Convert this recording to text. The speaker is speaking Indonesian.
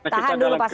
tahan dulu pak saad